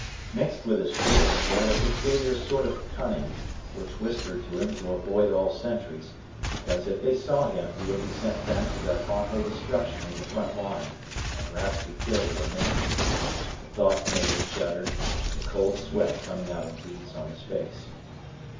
Mixed with his fear, he had a peculiar sort of cunning, which whispered to him to avoid all sentries, because if they saw him he would be sent back to that awful destruction in the front line, and perhaps be killed or maimed. The thought made him shudder, the cold sweat coming out in beads on his face.